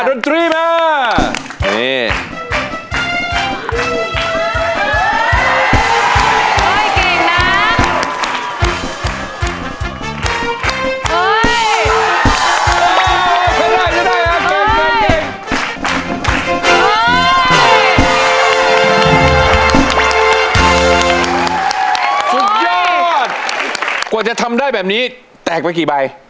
สุดยอดกว่าจะทำได้แบบนี้แตกไปกี่ใบ